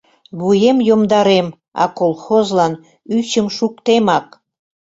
Вуем йомдарем, а колхозлан ӱчым шуктемак!